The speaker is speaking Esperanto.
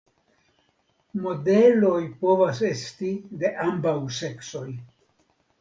Modeloj povas esti de ambaŭ seksoj.